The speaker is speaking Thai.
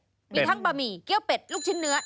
มีทั้งบะหมี่เกี้ยวเป็ดลูกชิ้นเนื้อ